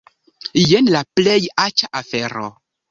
Jen la plej aĉa afero!